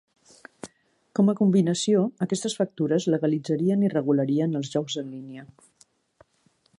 Com a combinació, aquestes factures legalitzarien i regularien els jocs en línia.